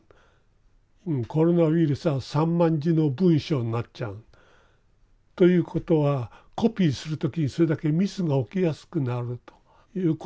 コロナウイルスは３０，０００万字の文章になっちゃう。ということはコピーする時にそれだけミスが起きやすくなるということですね。